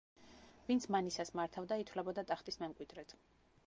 ვინც მანისას მართავდა ითვლებოდა ტახტის მემკვიდრედ.